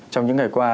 trong những ngày qua